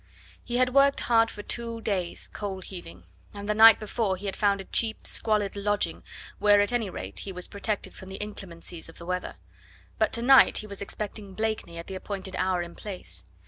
He had worked hard for two days coal heaving, and the night before he had found a cheap, squalid lodging where at any rate he was protected from the inclemencies of the weather; but to night he was expecting Blakeney at the appointed hour and place.